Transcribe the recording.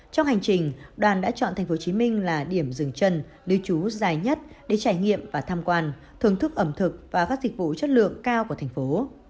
trong hành trình đoàn đã chọn tp hcm là điểm dừng chân lưu trú dài nhất để trải nghiệm và tham quan thưởng thức ẩm thực và các dịch vụ chất lượng cao của thành phố